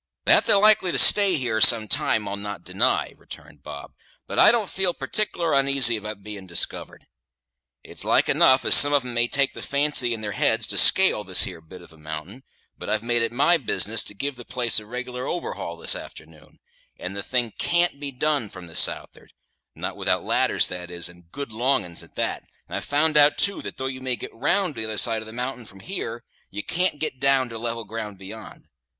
"That they're likely to stay here some time I'll not deny," returned Bob; "but I don't feel partic'lar oneasy about bein' discovered. It's like enough as some on 'em may take the fancy in their heads to scale this here bit of a mountain; but I've made it my business to give the place a reg'lar overhaul this a'ternoon, and the thing can't be done from the south'ard not without ladders, that is, and good long uns at that; and I've found out, too, that though you may get round to t'other side of the mountain from here, you can't get down to the level ground beyond.